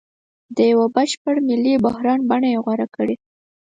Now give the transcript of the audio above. د یوه بشپړ ملي بحران بڼه یې غوره کړې.